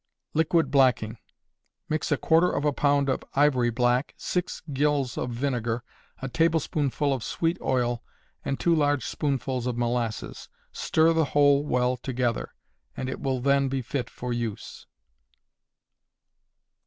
Liquid Blacking. Mix a quarter of a pound of ivory black, six gills of vinegar, a tablespoonful of sweet oil, and two large spoonfuls of molasses. Stir the whole well together, and it will then be fit for use.